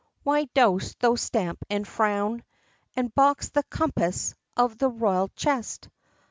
why dost thou stamp and frown, And box the compass of the royal chest?"